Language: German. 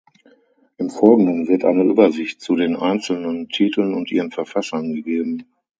Im Folgenden wird eine Übersicht zu den einzelnen Titeln und ihren Verfassern gegeben.